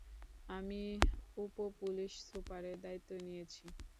আমি উপ-পুলিশ সুপারের দায়িত্ব নিয়েছি।